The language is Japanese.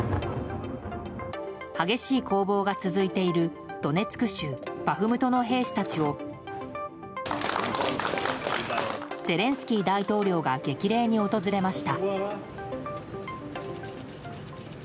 激しい攻防が続いているドネツク州バフムトの兵士たちをゼレンスキー大統領が激励に訪れました。